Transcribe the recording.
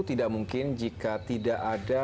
tidak mungkin jika tidak ada